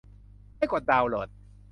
ให้กดดาวน์โหลด